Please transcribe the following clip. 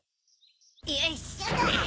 よいしょっと。